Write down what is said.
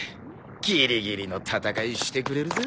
ぎりぎりの戦いしてくれるぜ。